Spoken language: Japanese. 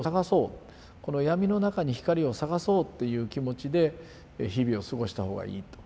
この闇の中に光を探そうっていう気持ちで日々を過ごした方がいいと。